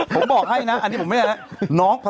ผมบอกให้นะอันนี้ผมไม่ได้นะ